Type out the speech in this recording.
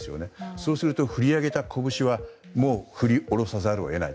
そうすると振り上げたこぶしは振り下ろさざるを得ない。